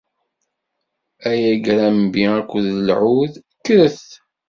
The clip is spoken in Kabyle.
Ay agrambi akked lɛud, kkret!